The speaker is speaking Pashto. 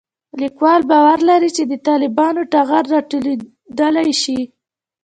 لیکوال باور لري چې د طالبانو ټغر راټولېدای شي